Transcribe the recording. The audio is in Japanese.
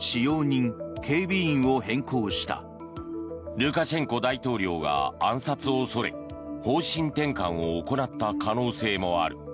ルカシェンコ大統領が暗殺を恐れ方針転換を行った可能性もある。